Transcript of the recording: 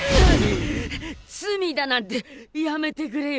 罪だなんてやめてくれよ！